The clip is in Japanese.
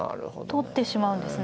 取ってしまうんですね。